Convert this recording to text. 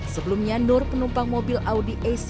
sebelumnya nur penumpang mobil audi a enam